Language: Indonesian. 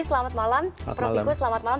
selamat malam prof iku selamat malam